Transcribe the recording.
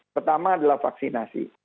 pertama adalah vaksinasi